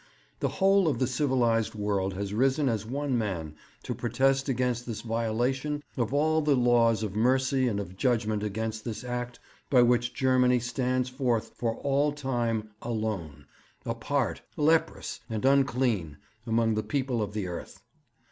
The whole of the civilized world has risen as one man to protest against this violation of all the laws of mercy and of judgement against this act by which Germany stands forth for all time alone, apart, leprous and unclean, among the people of the earth.